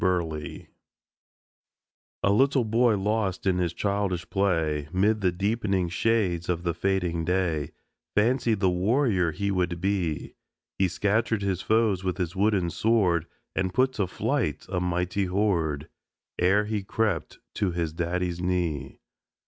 BURLEIGH A little boy, lost in his childish play, Mid the deep'ning shades of the fading day, Fancied the warrior he would be; He scattered his foes with his wooden sword And put to flight a mighty horde Ere he crept to his daddy's knee.